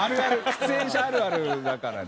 喫煙者あるあるだからね。